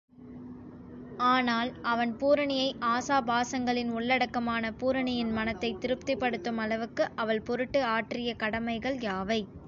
ஆனால், அவன் பூரணியை ஆசாபாசங்களின் உள்ளடக்கமான பூரணியின் மனத்தைத் திருப்திப்படுத்தும் அளவுக்கு அவள் பொருட்டு ஆற்றிய கடமைகள் யாவை?